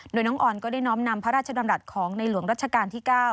โดยน้องออนก็ได้น้อมนำพระราชดำรัฐของในหลวงรัชกาลที่๙